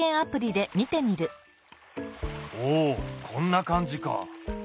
おおこんな感じか！